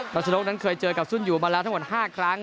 รัชนกนั้นเคยเจอกับซุ่นอยู่มาแล้วทั้งหมด๕ครั้ง